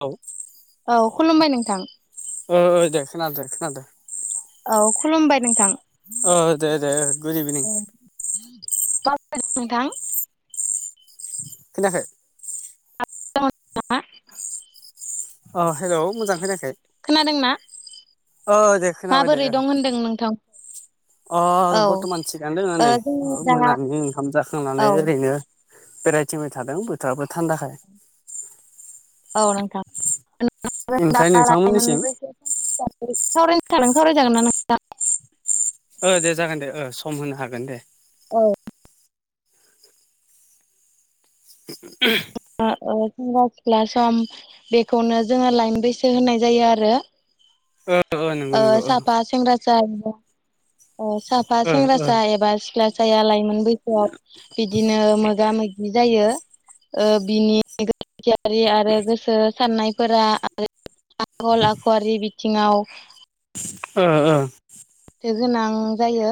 औ औ खुलुमबाय नोंथां। ओ ओ दे खोनादो खोनादो। औ खुलुमबाय नोंथां। ओ दे दे गुड इभिनिं। [unintelligible] खोनाखै? [unintelligible] ओ हेल मोजां खोनाखै खोनादोंना ओ दे खोनाबाय दे ओ दों नोंथां ओ औ बर्टमान थिगानो दङो ओ नोइ जोङो दा मोनानि ओंखाम औ जाखांनानै ओरैनो बेराइथिंबाय थादों बोथोराबो थान्दाखाय। औ नोंथां ओमफ्राय नोंथांमोननिसिम [unintelligible] सावरायनो सानदों सावराय जागोन ना नोंथां? ओ दे जागोन दे ओ सम होनो हागोन दे। औ [inaudible] आ ओ सेंग्रा सिख्ला सम बेखौनो जोङो लाइमोन बैसो होननाय जायो आरो। ओ साफा सेंग्रासा [unintelligible] ओ साफा ओ सेंग्रासा एबा सिख्लासाया लाइमोन लाइमोन बैसोआव बिदिनो मोगा मोगि जायो। ओ बिनि गोथियारि आरो गोसो साननायफोरा आखल-आखुआरि बिथिङाव ओ ओ। गोनां जायो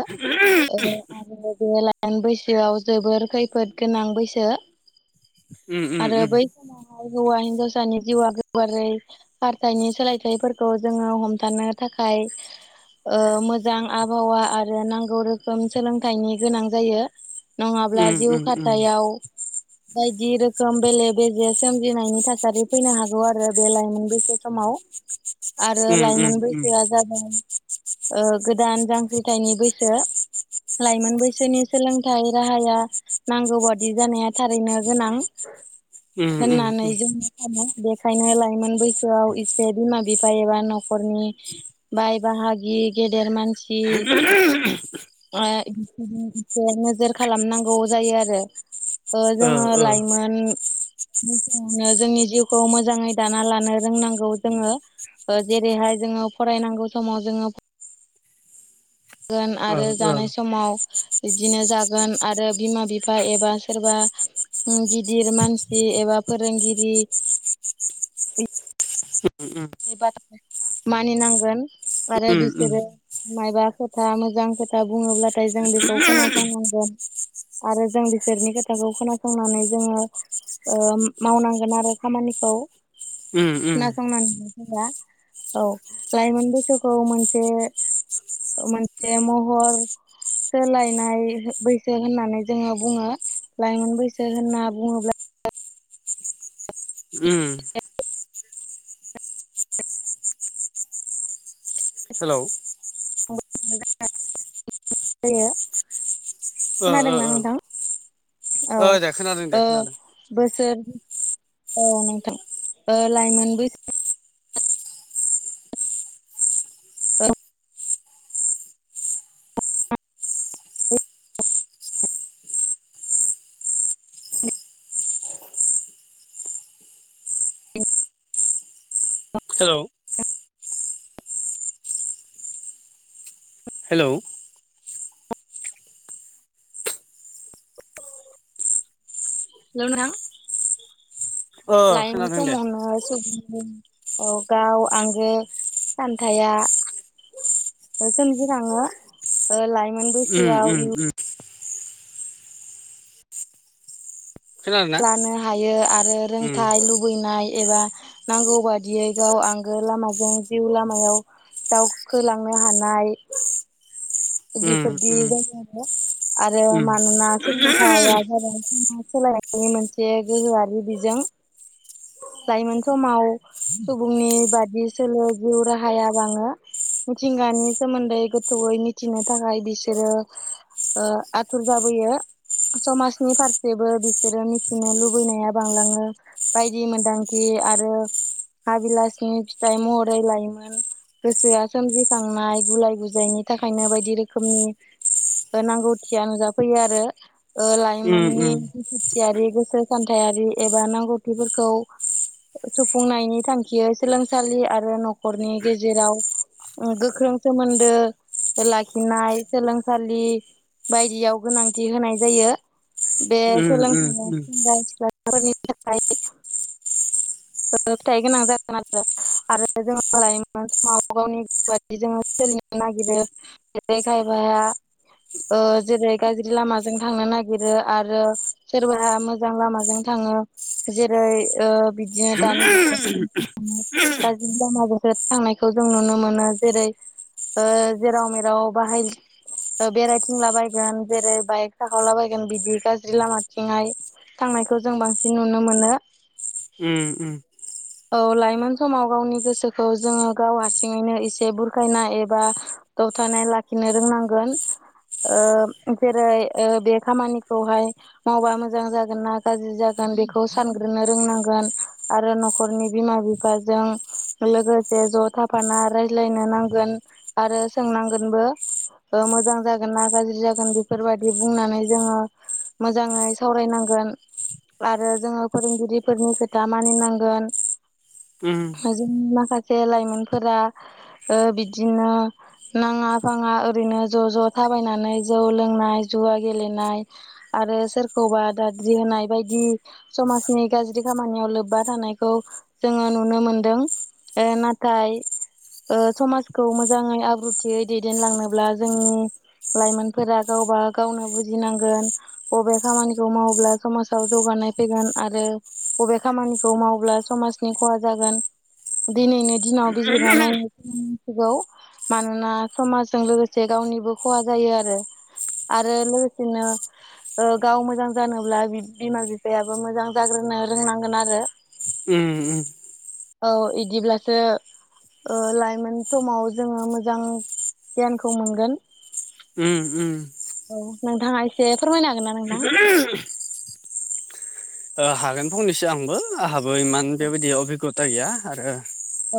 ओ उम आरो बे लाय मोन बैसोआव जोबोर खैफोद गोनां बैसो उम आरो उम बै। समावहाय होवा हिनजावसानि जिउआ गोबारै। हारथायनि सोलायथायफोरखौ जोङो हमथानो थाखाय। ओ मोजां आबहावा आरो नांगौ रोखोम सोलोंथाइनि गोनां जायो। नङाब्ला उम उम जिउ खाथायाव। बायदि रोखोम बेले-बेजे सोमजिनायनि थासारि फैनो हागौ आरो बे लाइमोनबैसो समाव। आरो उम उम लाइमोन उम बैसोआ जादों। ओ-गोदान जांख्रिथायनि बैसो। लाइमोन बैसोनि सोलोंथाइ राहाया। नांगौ बादि जानाया थारैनो गोनां उम उम होननानै उम जों। सानो बेखायनो लाइमोन बैसोआव एसे बिमा बिफा एबा न'खरनि बाय बाहागि गेदेर मानसि आ इनिखायनो एसे नोजोर खालामनांगौ जायो आरो। ओ जोङो ओ लाइमोन जोङो जोंनि जिउखौ मोजाङै दाना लानो रोंनांगौ जोङो ओ जेरैहाय जोङो फरायनांगौ समाव जोङो गोन आरो जानाय समाव इदिनो जागोन आरो बिमा बिफा एबा सोरबा उम गिदिर मानसि एबा फोरोंगिरि [inaudible] [unintelligible] मानिनांगोन आरो उम बिसोरो मायबा खोथा मोजां खोथा बुङोब्लाथाय जों बेखौ उम खोनासंनांगोन आरो जों बिसोरनि खोथाखौ खोनासंनानै जोङो ओ मावनांगोन आरो खामानिखौ उम उम खोनासंनानै [unintelligible] औ लाइमोन बैसोखौ मोनसे मोनसे महर सोलायनाय बैसो होननानै जोङो बुङो लाइमोन बैसो होनना बुङोब्ला उम। हेलौ [unintelligible] ओ ओ खोनादोंना ओ नोंथां? औ ओ दे खोनादों दे ओ खोनादों बोसोर औ नोंथां ओ लाइमोन बै औ। [unintelligible] [unintelligible] हेलौ हेलौ हेल' नोथां ओ लाइमोन खोनादों दे समावनो औ गाव आंगो सान्थाया सोमजिखाङो ओ लाइमोन उम बैसोआव उम इयुन उम। खोनादों ना लानो हायो आरो उम रोंथाय लुबैनाय एबा नांगौ बादियै गाव आंगो लामाजों जिउ लामायाव दावखोलांनो हानाय उम बेफोरदि उम जायो आरो। आरो उम मानोना उम सोलोंथाइया जादों [unintelligible] सोलायनायनि मोनसे गोहोआरि बिजों। लाइमोन समाव सुबुंनि बादि सोलो जिउ राहाया बाङो। मिथिंगानि सोमोन्दै गोथौयै मिथिनो थाखाय बिसोरो ओ आथुर जाबोयो। समाजनि फारसेबो बिसोरो मिथिनो लुबैनाया बांलाङो। बायदि मोनदांखि आरो हाबिलासनि फिथाइ महरै लायमोन गोसोआ सोमजिखांनाय गुलाय गुजायनि थाखाय ओंखायनो बायदि रोखोमनि ओ नांगौथिया नुजाफैयो आरो ओ उम लाइमोननि उम दुखुथियारि गोसो सान्थायारि एबा नांगौथिफोरखौ सुफुंनायनि थांखियै सोलोंसालि आरो न'खरनि गेजेराव ओ गोख्रों सोमोन्दो लाखिनाय सोलोंसालि बायदियाव गोनांथि होनाय जायो बे उम उम सोलोंथाइया उम सेंग्रा सिख्लाफोरनि थाखाय [unintelligible] गोनां जागोन आरो आरो जोङो लाइमोन समाव गावनि बादि जोङो सोलिनो नागिरो। [unintelligible] खायफाया ओ जेरै गाज्रि लामाजों थांनो नागिरो आरो सोरबाहा मोजां लामाजों थाङो जेरै ओ बि बिदिनो उम उम दानि [unintelligible] गाज्रि लामाजोंसो थांनायखौ जों नुनो मोनो। जेरै ओ जेराव मेराव बाहाय ओ बेरायथिंलाबायगोन जेरै बाइक साखावलाबायगोन बिदि गाज्रि लामाथिंहाय थांनायखौ जों बांसिन नुनो मोनो। उम उम। औ लाइमोन समाव गावनि गोसोखौ जोङो गाव हारसिङैनो एसे बुरखायना एबा [unintelligible] थानाय लाखिनो रोंनांगोन। ओ जेरै ओ बे खामानिखौहाय मावबा मोजां जागोन ना गाज्रि जागोन बेखौ सानग्रोनो रोंनांगोन आरो न' खरनि बिमा बिफाजों लोगोसे ज' थाफाना रायज्लायनो नांगोन आरो सोंनांगोनबो। ओ मोजां जागोन ना गाज्रि जागोन बेफोरबायदि बुंनानै जोङो मोजाङै सावरायनांगोन आरो जोङो फोरोंगिरिफोरनि खोथा मानिनांगोन। जोंनि माखासे लाइमोनफोरा ओ बिदिनो नाङा फाङा ओरैनो ज' ज' थाबायनानै जौ लोंनाय जुवा गेलेनाय आरो सोरखौबा दाद्रि होनाय बायदि समाजनि गाज्रि खामानियाव लोब्बा थानायखौ जोङो नुनो मोनदों ओ नाथाय ओ समाजखौ मोजाङै आब्रुथियै दैदेनलांनोब्ला जोंनि लाइमोनफोरा गावबा गावनो बुजिनांगोन। बबे खामानिखौ मावोब्ला समाजाव जौगानाय फैगोन आरो बबे खामानिखौ मावब्ला समाजनि खहा जागोन दिनैनो दिनाव बिजिरना नाय [unintelligible] सिगौ। मानोना समाजजों लोगोसे गावनिबो खहा जायो आरो आरो लोगोसेनो ओ गाव मोजां जानोब्ला बिब बिमा बिफायाबो मोजां जाग्रोनो रोंनांगोन आरो उम उम। औ इदिब्लासो ओ लाइमोन समाव जोङो मोजां गियानखौ मोनगोन। ओम ओम। औ नोंथाङा एसे फोरमायनो हागोन ना नोंथां। ओ हागोन फंनैसो आंबो आंहाबो इमान बेबायदि अबिगथा गैया आरो।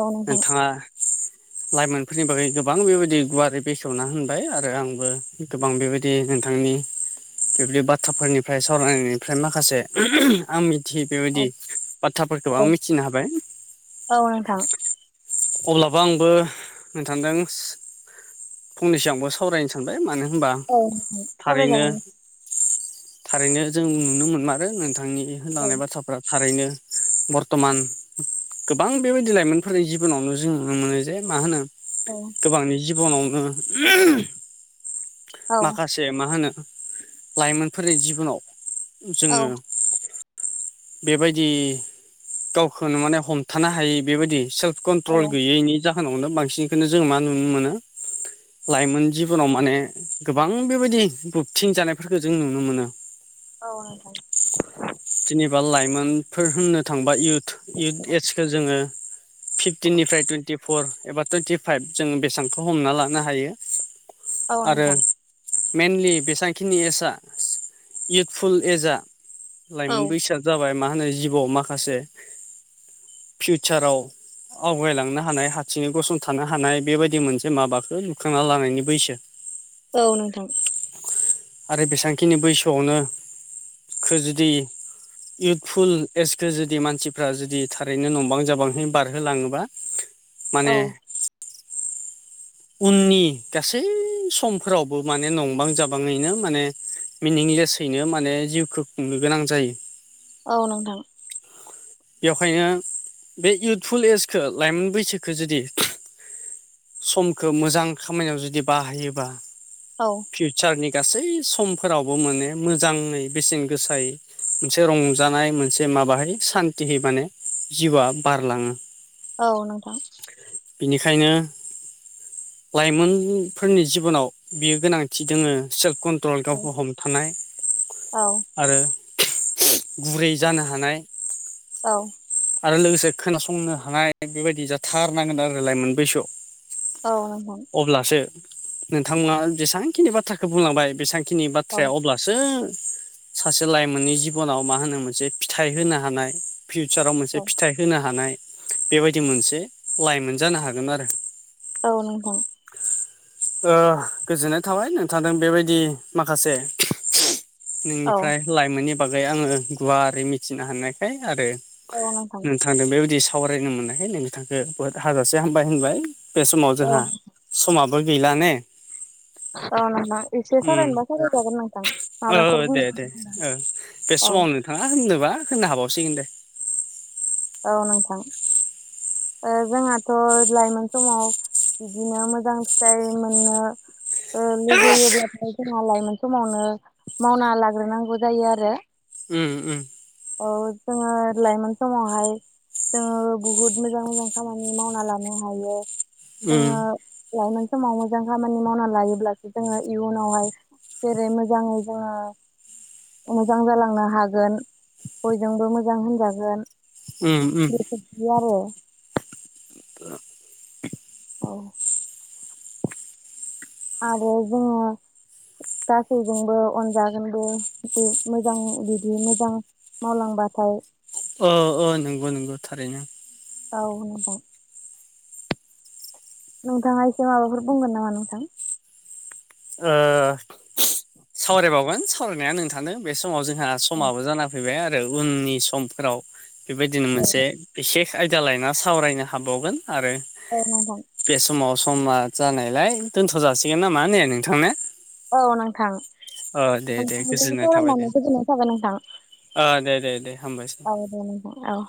औ नोंथां नोंथाङा। [inaudible] लाइमोनफोरनि बागै गोबां बेबायदि गुवारै बेखेवना होनबाय आरो आंबो गोबां बेबाय दि नोंथांनि बेबायदि बाथ्राफोरनिफ्राय सावरायनायनिफ्राय माखासे ओम ओम। आं मिथियै औ बेबायदि बाथ्राफोरखौ औ आं मिथिनो हाबाय। औ नोंथां। अब्लाबो आंबो नोंथांदोंस फंनैसो आंबो सावरायनो सानबाय मानो होमबा औ नोंथां थारैनो सावरायजागोन थारैनो जों नुनो मोनमारो नोंथांनि औ होनलांनाय बाथ्राफ्रा थारैनो बरत'मान गोबां बेबायदि लाइमोनफोरनि जि उनावनो जों नुनो मोनो जे मा होनो अ। गोबांनि जिबनावनो [unintelligible] औ माखासे मा होनो लाइमोनफोरनि जिबनाव औ जोंङो। बेबायदि गावखौनो माने हमथानो हायि बेबायदि सेल्फ। कन्ट्रल औ गैयैनि जाहोनावनो बांसिनखौनो जों मा नुनो मोनो। लाइमोन जिबनाव माने गोबां बेबायदि बबथिं जानायफोरखौ जों नुनो मोनो औ नोंथां जेनेबा लाइमोनफोर होननो थांबा इउथ एजखौ जोङो फिफटिननिफ्राय टुइन्टिफर एबा टुइन्टिफाइभ जों बेसेबांखौ हमना लानो हायो औ आरो नोंथां मइेनलि बेसेांखिनि एजआ इउथफुल एजआ औ लाइमोन बैसार जाबाय मा होनो जिबआव माखासे फिउचाराव आवगायलांनो हानाय हारसिङै गसंथानो हानाय बेबायदि मोनसे माबाखौ लुखांना लानायनि बैसो औ नोंथां आरो बेसेबांखिनि बैसोआवनो खो जुदि इउथफुल एजखौ जुदि मानसिफ्रा जुदि थारैनो नंबां जाबांहै बारहोलाङोबा माने औ उननि गासै समफोरावबो माने नंबां जाबाङैनो माने मिनिंलेसयैनो माने जिउखौ खुंनो गोनां जायो औ नोंथां बेवखायनो बे इउथफुल एजखौ लाइमोन बैसोखो जुदि समखौ मोजां खामानियाव जुदि बाहायोबा औ फिउचारनि गासै समफोरावबो माने मोजांङै बेसेन गोसायै मोनसे रंजानाय मोनसे माबाहै सान्थिहै माने जिउआ बारलाङो औ नोंथां बिनिखायनो लाइमोनफोरनि जिबनाव बियो गोनांथि दोङो सेल्फ कनट पटल औ गावखौ हमथानाय औ आरो गुबुरै जानो हानाय औ आरो लोगोसे खोनासंनो हानाय बेबायदि जाथारनांगोन आरो लाायमोन बैसोआव औ अब्लासो नोंथांमोना जेसेबांखिनि बाथ्राखौ बुंलांबाय बेसेांखिनि बाथ्राया औ अब्लासो [unintelligible] सासे लाइमोननि जिबनाव मा होनो मोनसे फिथाइ होनो हानाय फिउचाराव ज फिथाइ होनो हानाय बेबायदि मोनसे लाइमोन जानो हागोन आरो औ नोंथां ओ गोजोननाय थाबाय नोंथांदों बेबायदि माखासे औ नोंनिफ्राय लाइमोननि बागै आङो गुवारै मिथिनो हानायखाय आरो औ नोंथां नोंथांदों बेबायदि सावरायनो मोननायखाय नोंथांखौ बुहुत हाजासे हामबाय होनबाय बे समाव औ जोंहा समाबो गैला ने अ नोंथां एसे उम सावरायनोबा सावरायजागोन नोंथां ओ माबाफोर बुं औ हा होनदोंबा होन्नो हाबावसिगोन दे औ नोंथां जोंहाथ' लाइमोन समाव बिदिनो मोजां फिथाइ मोननो लुुबैयोब्लाथाय जोंहा लाइमोन समावनो मावना लाग्रोनांगौ जायो आरो उम उम औ जोङो लाइमोन समावहाय जोङो बुहुद मोजां मोजां खामानि मावना लानो हायो ओ जोङो लाइमोन समाव मोजां खामानि मावनानै लायोब्लासो जोङो इयुनावहाय जेरै मोजाङै जोङो मोजां जालांनो हागोन बयजोंबो मोजां होनजागोन उम उम [unintelligible] औ आरो जोङो गासैजोंबो अनजागोनबो बिदि मोजां बिदि मोजां मावलांबाथाय अ अ नंगौ नंगौ थारैनो। औ नोंथां नोंथाङा एसे माबाफोर बुंगोन नामा नोंथां? ओ सावरायबावगोन सावरायनाया नोंथानो बे समाव जोंहा समाबो जाना फैबाय आरो उननि समफोराव बेबायदिनो मोनसे बिसेख आयदा लायना सावरायनो हाबावगोन आरो औ नोंथां बे समाव समा जानायलाय दोनथ' जाासिगोन नामा ने नोंथां ने औ नोंथां दे दे नोंथांजों गोजोननाय थाबाय दे सावराननानै गोजोननाय थाबाय नोंथां। ओ दे दे दे हामबायसै। औ दे नोथां औ